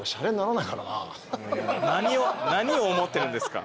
何を思ってるんですか？